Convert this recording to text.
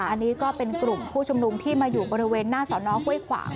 อันนี้ก็เป็นกลุ่มผู้ชุมนุมที่มาอยู่บริเวณหน้าสอนอห้วยขวาง